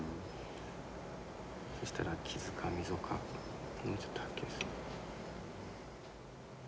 そしたら傷か溝かもうちょっとはっきりする。